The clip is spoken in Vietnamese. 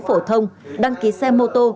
phổ thông đăng ký xe mô tô